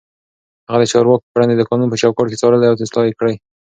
هغه د چارواکو کړنې د قانون په چوکاټ کې څارلې او اصلاح يې کړې.